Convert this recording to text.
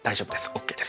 ＯＫです。